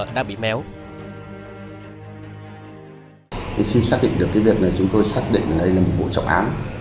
khi xác định được cái việc này chúng tôi xác định đây là một vụ trọng án